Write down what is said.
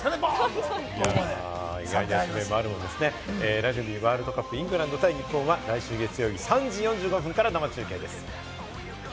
ラグビーワールドカップ、イングランド対日本は、来週月曜日３時４５分から生中継です。